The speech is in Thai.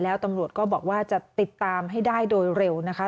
แล้วตำรวจก็บอกว่าจะติดตามให้ได้โดยเร็วนะคะ